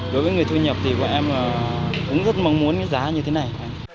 đối với người thu nhập em ứng rất mong muốn giá như thế này